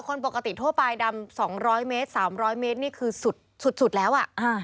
คนปกติทั่วไปดำ๒๐๐เมตร๓๐๐เมตรนี่คือสุดแล้วอ่ะ